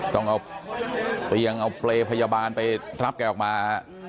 ต้องเอาเตียงเอาเปรย์พยาบาลไปรับแกออกมา